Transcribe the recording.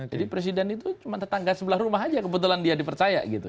jadi presiden itu cuma tetangga sebelah rumah aja kebetulan dia dipercaya gitu